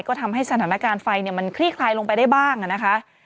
ก็ทำให้สถานการณ์ไฟมันคลี่คลายลงไปได้บ้างนะคะ